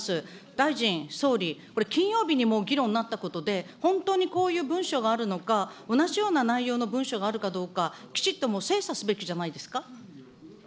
大臣、総理、これ、金曜日にもう議論になったことで、本当にこういう文書があるのか、同じような内容の文書があるかどうか、きちっともう精査すべきじゃないですか。